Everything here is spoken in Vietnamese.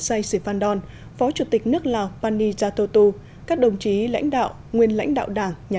say siphan don phó chủ tịch nước lào pani jatotu các đồng chí lãnh đạo nguyên lãnh đạo đảng nhà